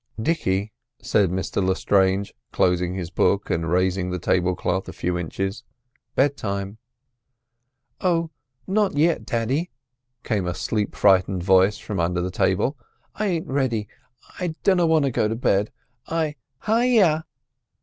"Dicky," said Mr Lestrange, closing his book, and raising the table cloth a few inches, "bedtime." "Oh, not yet, daddy!" came a sleep freighted voice from under the table; "I ain't ready. I dunno want to go to bed, I— Hi yow!"